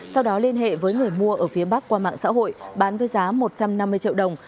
sau đó liên hệ với người mua ở phía bắc qua mạng xã hội bán với giá một trăm năm mươi triệu đồng